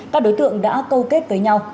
các đối tượng đã câu kết với nhau